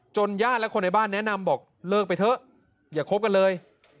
ญาติและคนในบ้านแนะนำบอกเลิกไปเถอะอย่าคบกันเลย